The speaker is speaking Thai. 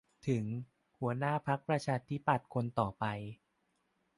ถึง หัวหน้าพรรคประชาธิปัตย์คนต่อไป